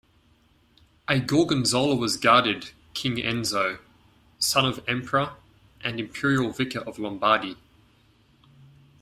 A Gorgonzola was guarded King Enzo, son of Emperor and Imperial Vicar of Lombardy.